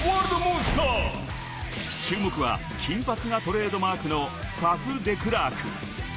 注目は金髪がトレードマークのファフ・デクラーク。